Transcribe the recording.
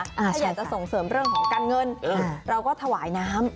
ถ้าอยากจะส่งเสริมเรื่องของการเงินเราก็ถวายน้ำ